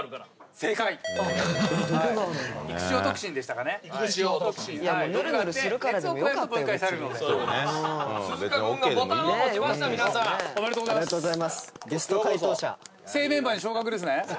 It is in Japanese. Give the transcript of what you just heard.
正メンバーに昇格ですね。